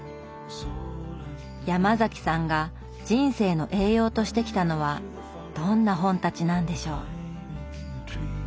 ヤマザキさんが人生の栄養としてきたのはどんな本たちなんでしょう？